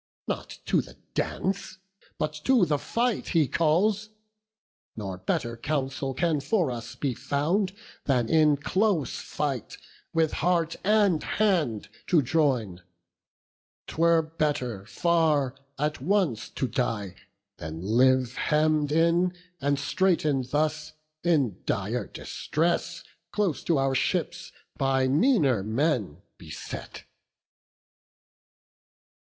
Not to the dance, but to the fight he calls; Nor better counsel can for us be found, Than in close fight with heart and hand to join. 'Twere better far at once to die, than live Hemm'd in and straiten'd thus, in dire distress, Close to our ships, by meaner men beset."